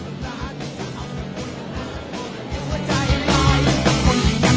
เวลาที่มันได้รู้จักกันแล้วเวลาที่ไม่รู้จักกัน